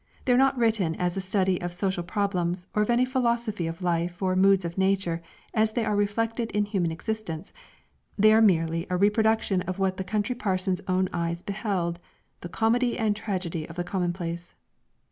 They are not written as a study of social problems, or of any philosophy of life or moods of nature as they are reflected in human existence; they are merely a reproduction of what the country parson's own eyes beheld the comedy and tragedy of the commonplace.